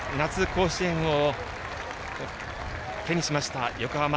甲子園を手にしました、横浜。